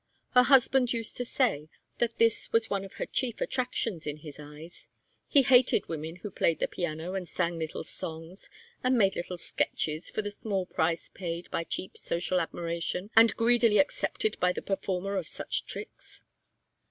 Her husband used to say that this was one of her chief attractions in his eyes he hated women who played the piano, and sang little songs, and made little sketches, for the small price paid by cheap social admiration, and greedily accepted by the performer of such tricks.